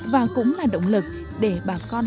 và cũng là động lực để bà con